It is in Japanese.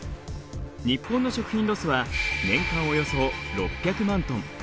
日本の食品ロスは年間およそ６００万トン。